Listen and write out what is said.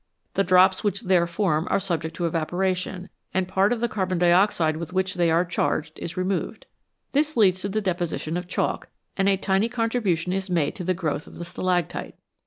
The drops which there form are subject to evaporation, and part of the carbon dioxide with which they are charged is removed. This leads to the deposition of chalk, and a tiny contribu tion is made to the growth of the stalactite.